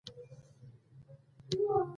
لاسونه هنر کوي